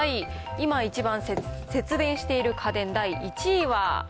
今一番節電している家電、第１位は？